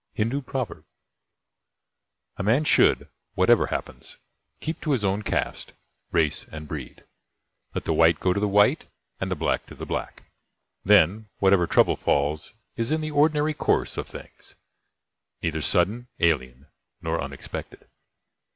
Hindu Proverb. A man should, whatever happens, keep to his own caste, race and breed. Let the White go to the White and the Black to the Black. Then, whatever trouble falls is in the ordinary course of things neither sudden, alien, nor unexpected.